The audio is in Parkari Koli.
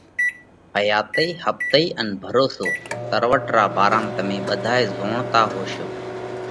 حياتئِي ۿپتئِي ان ڀروسو: تروٽ را ڀارام تمي ٻڌائي زوڻتا هوشو۔